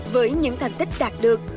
với những thành tích đạt được